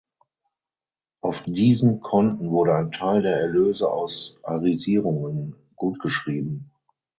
Auf diesen Konten wurde ein Teil der Erlöse aus "Arisierungen" gutgeschrieben.